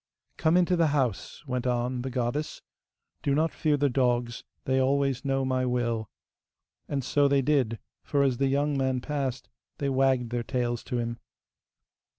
'Come into the house,' went on the goddess; 'do not fear the dogs, they always know my will.' And so they did, for as the young man passed they wagged their tails to him.